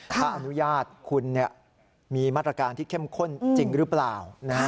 ถ้าอนุญาตคุณมีมาตรการที่เข้มข้นจริงหรือเปล่า